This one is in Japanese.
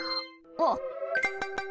あっ。